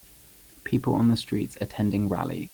People on the streets attending rally